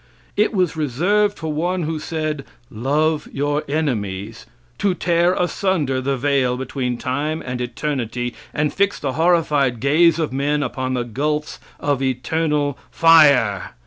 It was reserved for one who said, "Love your enemies," to tear asunder the veil between time and eternity and fix the horrified gaze of men upon the gulfs of eternal fire.